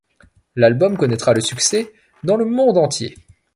L'album connaîtra le succès dans le monde entier.